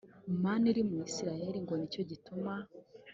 mana iri muri isirayeli ngo ni cyo gituma